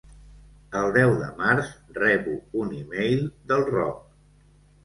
El deu de març rebo un e-mail del Roc.